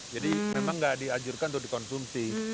jadi memang gak diajurkan untuk dikonsumsi